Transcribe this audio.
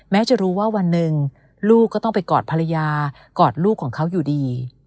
จะรู้ว่าวันหนึ่งลูกก็ต้องไปกอดภรรยากอดลูกของเขาอยู่ดี